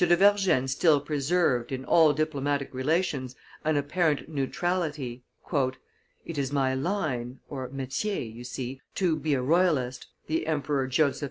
de Vergennes still preserved, in all diplomatic relations, an apparent neutrality. "It is my line (metier), you see, to be a royalist," the Emperor Joseph II.